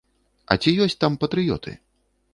А ці ёсць там патрыёты?